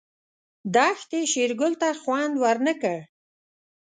دښتې شېرګل ته خوند ورنه کړ.